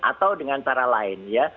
atau dengan cara lain ya